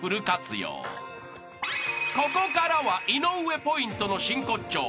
［ここからは井上ポイントの真骨頂］